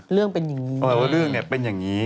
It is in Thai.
เรื่องเป็นอย่างนี้นะครับเรื่องเป็นอย่างนี้